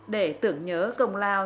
để tưởng nhớ công lao